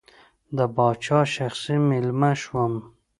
د پاچا شخصي مېلمه شوم.